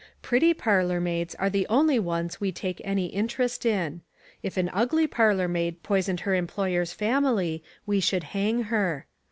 Pretty parlor maids are the only ones we take any interest in: if an ugly parlor maid poisoned her employer's family we should hang her.